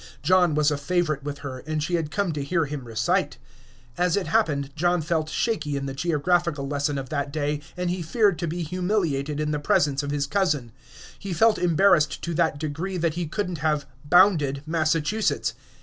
John was a favorite with her, and she had come to hear him recite. As it happened, John felt shaky in the geographical lesson of that day, and he feared to be humiliated in the presence of his cousin; he felt embarrassed to that degree that he could n't have "bounded" Massachusetts.